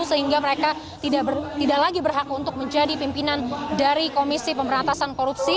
sehingga mereka tidak lagi berhak untuk menjadi pimpinan dari komisi pemberantasan korupsi